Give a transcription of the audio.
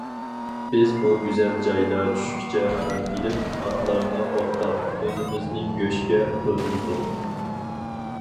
بىز بۇ گۈزەل جايدا چۈشكىچە ئارام ئېلىپ، ئاتلارنى ئوتقا، ئۆزىمىزنى گۆشكە تويغۇزدۇق.